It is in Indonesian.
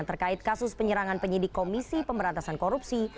terkait kasus penyerangan penyidik komisi pemberantasan korupsi